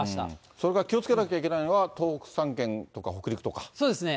それから気をつけなきゃいけないのは、そうですね。